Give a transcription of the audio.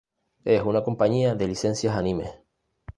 Es una compañía de licencias anime.